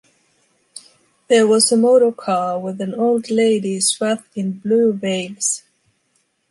There was a motorcar with an old lady swathed in blue veils.